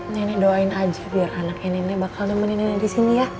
nenek doain aja biar anaknya nenek bakal nemenin disini ya